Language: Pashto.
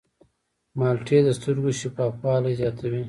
مالټې د سترګو شفافوالی زیاتوي.